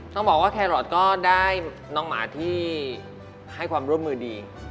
ต้องบอกว่าแครอทก็ได้น้องหมาที่ให้ความร่วมมือดี